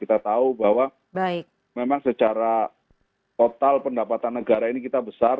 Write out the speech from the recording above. kita tahu bahwa memang secara total pendapatan negara ini kita besar